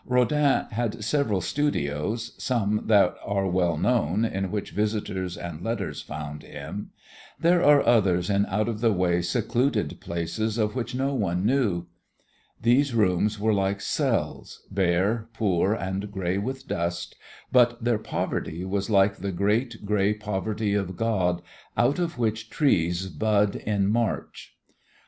Rodin had several studios, some that are well known in which visitors and letters found him. There were others in out of the way, secluded places of which no one knew. These rooms were like cells, bare, poor and grey with dust, but their poverty was like the great, grey poverty of God out of which trees bud in March.